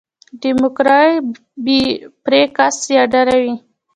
درېمګړی بې پرې کس يا ډله وي.